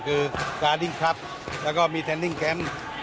คือกาดิ้งครับแล้วก็มีแทนดิ้งแคมป์